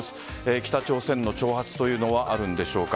北朝鮮の挑発というのはあるんでしょうか。